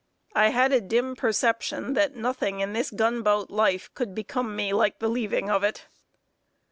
I had a dim perception that nothing in this gunboat life could become me like the leaving of it.